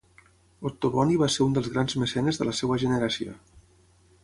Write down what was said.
Ottoboni va ser un dels grans mecenes de la seva generació.